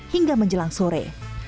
hingga menjelang sore